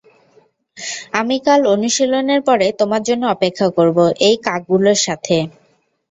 আমি কাল অনুশীলনের পরে তোমার জন্য অপেক্ষা করব, এই কাক গুলোর সাথে।